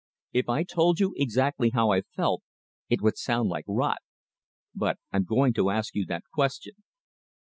If I told you exactly how I felt, it would sound like rot. But I'm going to ask you that question."